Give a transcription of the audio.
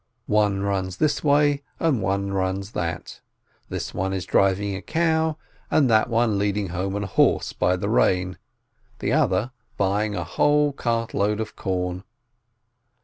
One runs this way and one that way, this one is driving a cow, that one leading home a horse by the rein, the other buying a whole cart load of corn.